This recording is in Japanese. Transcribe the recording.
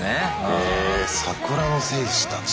へえ桜の戦士たち。